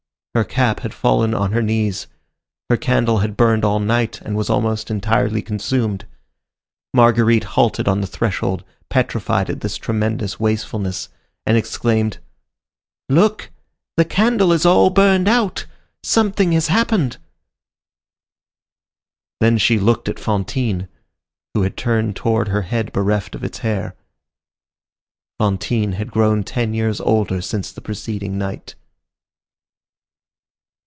Her cap had fallen on her knees. Her candle had burned all night, and was almost entirely consumed. Marguerite halted on the threshold, petrified at this tremendous wastefulness, and exclaimed:— "Lord! the candle is all burned out! Something has happened." Then she looked at Fantine, who turned toward her her head bereft of its hair. Fantine had grown ten years older since the preceding night.